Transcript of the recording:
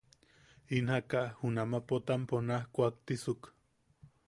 In jaaka junama Potampo naj kuaktisuk.